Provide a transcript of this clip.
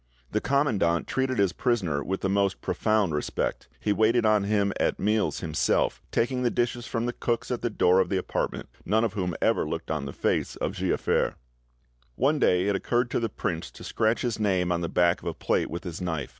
"The commandant treated his prisoner with the most profound respect; he waited on him at meals himself, taking the dishes from the cooks at the door of the apartment, none of whom ever looked on the face of Giafer. One day it occurred to the prince to scratch, his name on the back of a plate with his knife.